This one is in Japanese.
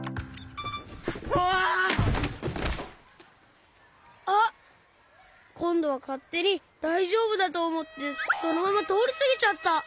うわ！あっこんどはかってにだいじょうぶだとおもってそのままとおりすぎちゃった！